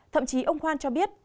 thậm chí ông hoan cho biết